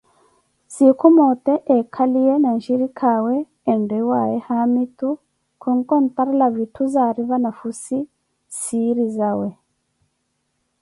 Siiku moote ekaliye na nshirikaawe enriwaaye haamitu, khunkontarela vithu zari vanafhussi siiri zawe.